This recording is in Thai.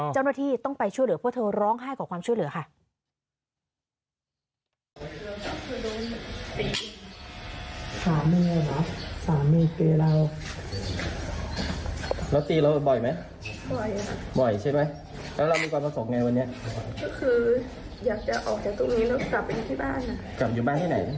เจ้าหน้าที่ต้องไปช่วยเหลือเพราะเธอร้องไห้ขอความช่วยเหลือค่ะ